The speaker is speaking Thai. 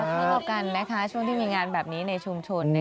เที่ยวกันนะคะช่วงที่มีงานแบบนี้ในชุมชน